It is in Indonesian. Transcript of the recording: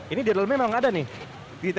ini di dalamnya memang ada nih